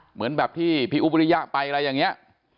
เหมือนแบบที่พี่อุ๊บวิริยะไปอะไรอย่างนี้